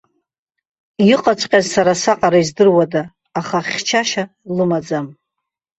Иҟаҵәҟьаз сара саҟара издыруада, аха хьчашьа лымаӡам.